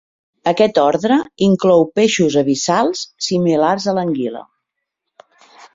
Aquest ordre inclou peixos abissals similars a l'anguila.